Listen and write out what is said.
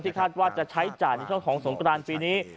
คาดว่าจะใช้จ่ายในช่วงของสงกรานปีนี้